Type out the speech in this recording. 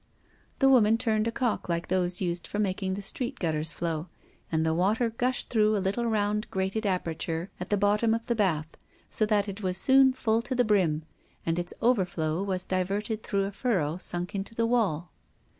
The woman turned a cock like those used for making the street gutters flow, and the water gushed through a little round grated aperture at the bottom of the bath so that it was soon full to the brim, and its overflow was diverted through a furrow sunk into the wall.